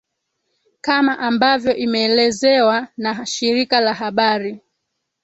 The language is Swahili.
kama ambavyo imeelezewa na shirika la habari